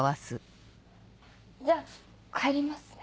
じゃあ帰りますね。